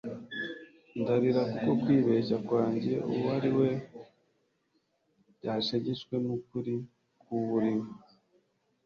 ndarira kuko kwibeshya kwanjye uwo wariwe byashegeshwe n'ukuri k'uwo uri we